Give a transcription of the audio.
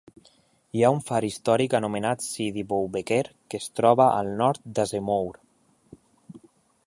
Hi ha un far històric anomenat Sidi Boubeker que es troba al nord d'Azemmour.